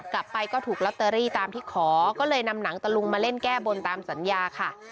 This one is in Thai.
กลับไปก็ถูกลอตเตอรี่ตามที่ขอก็เลยนำหนังตะลุงมาเล่นแก้บนตามสัญญาค่ะ